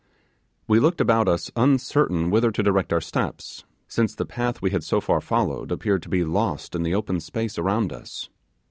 We looked about us uncertain whither to direct our steps, since the path we had so far followed appeared to be lost in the open space around us.